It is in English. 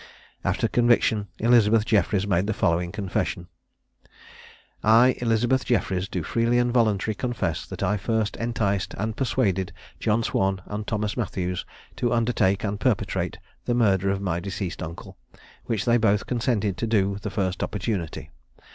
After conviction Elizabeth Jeffries made the following confession: "I, Elizabeth Jeffries, do freely and voluntarily confess that I first enticed and persuaded John Swan and Thomas Matthews to undertake and perpetrate the murder of my deceased uncle, which they both consented to do the first opportunity.